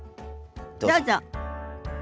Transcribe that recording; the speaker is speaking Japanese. どうぞ。